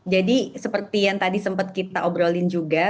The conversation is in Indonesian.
jadi seperti yang tadi sempat kita obrolin juga